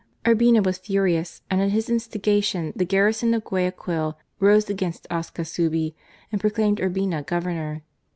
Urbina was furious, and at his instigation the garrison of Guaya quil rose against Ascasubi and proclaimed Urbina Governor.